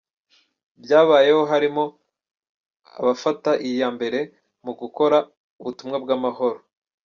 byabayeho harimo abafata iya mbere mu gukora ubutumwa bwAmahoro.